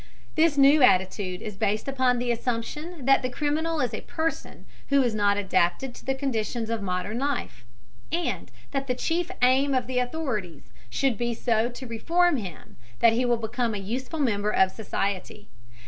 This new attitude is based upon the assumption that the criminal is a person who is not adapted to the conditions of modern life, and that the chief aim of the authorities should be so to reform him that he will become a useful member of society.